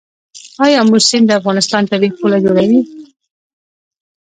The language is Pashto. آیا امو سیند د افغانستان طبیعي پوله جوړوي؟